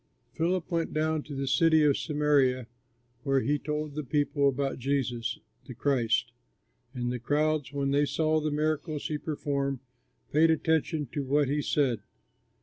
Philip went down to the city of Samaria, where he told the people about Jesus, the Christ. And the crowds, when they saw the miracles he performed, paid attention to what he said.